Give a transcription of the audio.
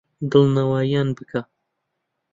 دڵنەوایییان بکە.